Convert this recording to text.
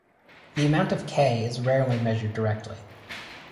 The amount of K is rarely measured directly.